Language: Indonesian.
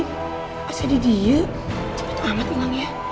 apa sedih dia cepet amat ngangin